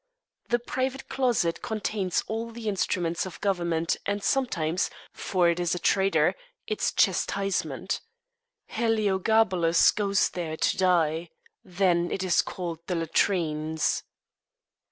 The private closet contains all the instruments of government, and sometimes, for it is a traitor, its chastisement. Heliogabalus goes there to die. Then it is called the latrines.